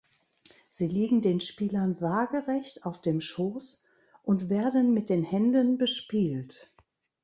Sie liegen den Spielern waagerecht auf dem Schoß und werden mit den Händen bespielt.